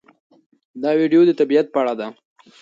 دا ویډیو د طبیعت په اړه ده.